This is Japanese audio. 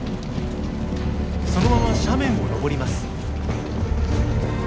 そのまま斜面を登ります。